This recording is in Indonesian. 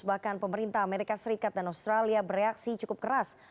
bahkan pemerintah amerika serikat dan australia bereaksi cukup keras